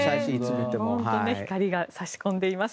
光が差し込んでいます。